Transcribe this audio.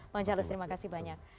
bang charles terima kasih banyak